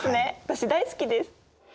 私大好きです！